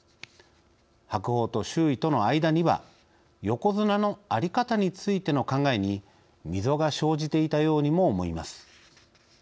白鵬と周囲との間には横綱の在り方についての考えに溝が生じていたようにも思います。